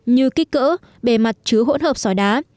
như kích cỡ bề mặt chứa hỗn hợp sỏi đá